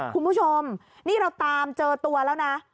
คุณผู้ชมนี่เราตามเจอตัวแล้วนะ